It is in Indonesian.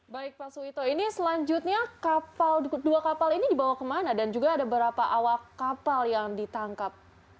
baik pak suito ini selanjutnya dua kapal ini dibawa kemana dan juga ada berapa awak kapal yang ditangkap